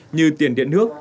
như tiền điện nước